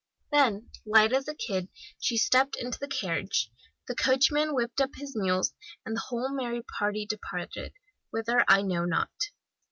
"Then, light as a kid, she stepped into the carriage, the coachman whipped up his mules, and the whole merry party departed, whither I know not.